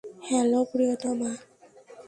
Hello, Priyotoma.